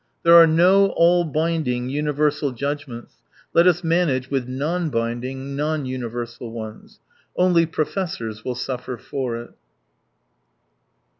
There are no all binding, universal judgments — let us manage with non binding, non universal ones. Only professors will suffer for it.